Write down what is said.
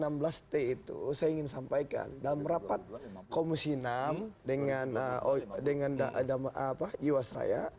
dari enam belas t itu saya ingin sampaikan dalam rapat komusi enam dengan jiwasraya